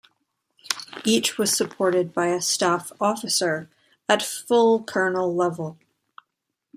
Each was supported by a staff officer at full colonel level.